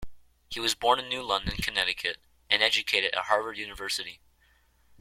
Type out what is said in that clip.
He was born in New London, Connecticut, and educated at Harvard University.